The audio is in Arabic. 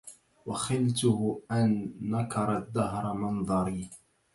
وخلته أن نكر الدهر منظري